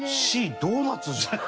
Ｃドーナツじゃん。